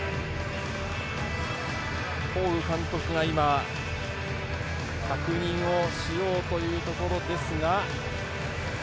ホーグ監督が今、確認をしようというところ。